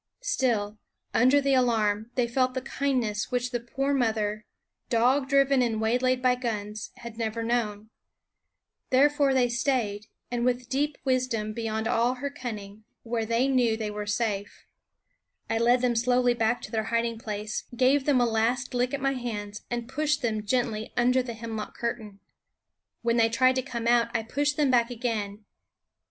Still, under the alarm, they felt the kindness which the poor mother, dog driven and waylaid by guns, had never known. And they stayed, with a deep wis dom beyond all her cunning, where they knew they were safe. I led them slowly back to their hiding place, gave them a last lick at my hands, and pushed them gently under the hemlock curtain. When they tried to come out I pushed them back again.